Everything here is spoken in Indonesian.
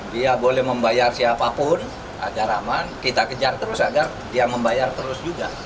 dia boleh membayar siapapun agar aman kita kejar terus agar dia membayar terus juga